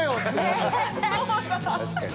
確かに。